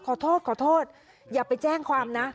ขอโทษขอโทษอย่าไปแจ้งความนะ